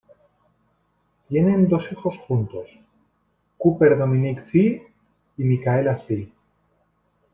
Tienen dos hijos juntos, Cooper Dominic Zee y Michaela Zee.